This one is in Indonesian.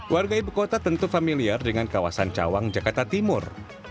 warga ibu kota tentu familiar dengan kawasan cawang jakarta timur